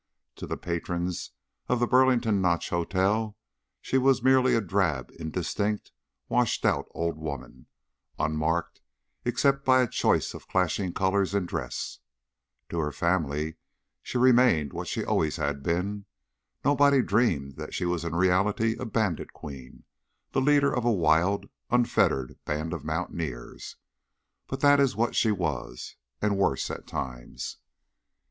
To the patrons of the Burlington Notch Hotel she was merely a drab, indistinct, washed out old woman, unmarked except by a choice of clashing colors in dress; to her family she remained what she always had been; nobody dreamed that she was in reality a bandit queen, the leader of a wild, unfettered band of mountaineers. But that is what she was. And worse at times.